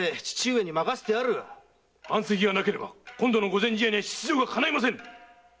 藩籍がなければ今度の御前試合には出場がかないません！